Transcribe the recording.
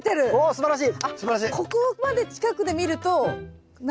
すばらしい。